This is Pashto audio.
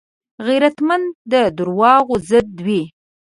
غیرتمند د دروغو ضد وي